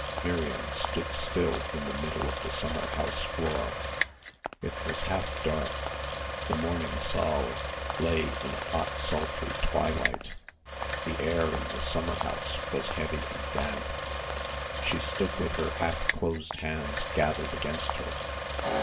Miriam stood still in the middle of the summer house floor. It was half dark; the morning saal lay in a hot sultry twilight. The air in the summer house was heavy and damp. She stood with her half closed hands gathered against her.